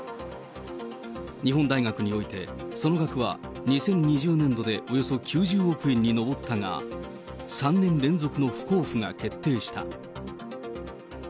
日本大学においてその額は２０２０年度でおよそ９０億円に上ったが、３年連続の不交付が決定した。